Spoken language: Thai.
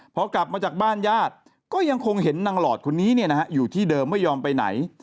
พอกลับมาจากบ้านญาติก็ยังคงเห็นนางหลอดคนนี้อยู่ที่เดิมไม่ยอมไปไหน